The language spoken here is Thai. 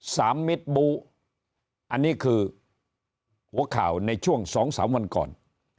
มิดบูอันนี้คือหัวข่าวในช่วงสองสามวันก่อน